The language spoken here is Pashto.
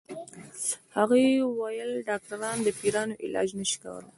هغې ويل ډاکټران د پيريانو علاج نشي کولی